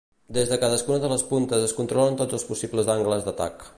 Des de cadascuna de les puntes es controlen tots els possibles angles d'atac.